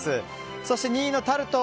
そして２位のタルト。